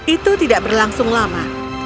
itu tidak berlangsung lama